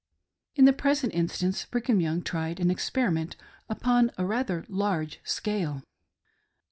In the present instance Brigham Young tried an experi ment upon a rather large scale.